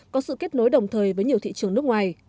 có sự kết nối đồng thời với nhiều thị trường nước ngoài